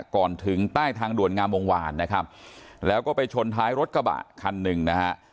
ก่อนถึงใต้ทางด่วนงามวงวานนะครับแล้วก็ไปชนท้ายรถกระบะคันหนึ่งนะฮะ